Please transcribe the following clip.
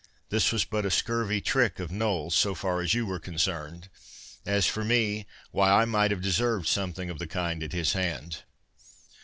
This was but a scurvy trick of Noll so far as you were concerned: as for me, why I might have deserved something of the kind at his hand."